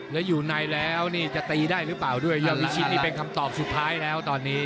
แล้วอยู่ในแล้วนี่จะตีได้หรือเปล่าด้วยยอดวิชินี่เป็นคำตอบสุดท้ายแล้วตอนนี้